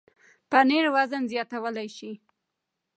پنېر وزن زیاتولی شي.